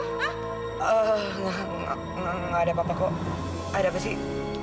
tidak ada apa apa kok ada apa sih